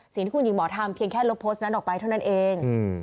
สิ่งที่คุณหญิงหมอทำเพียงแค่ลบโพสต์นั้นออกไปเท่านั้นเอง